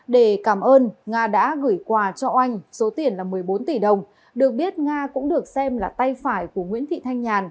để cảm ơn nga đã gửi quà cho oanh số tiền là một mươi bốn tỷ đồng được biết nga cũng được xem là tay phải của nguyễn thị thanh nhàn